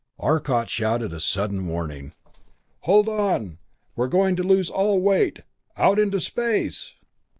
Arcot shouted a sudden warning: "Hold on we're going to lose all weight out into space!"